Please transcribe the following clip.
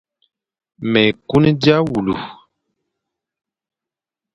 Mé kun dia wule,